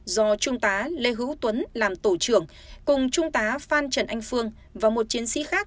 do trung tá lê hữu tuấn làm tổ trưởng cùng trung tá phan trần anh phương và một chiến sĩ khác